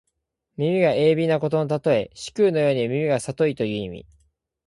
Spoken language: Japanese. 耳が鋭敏なことのたとえ。師曠のように耳がさといという意味。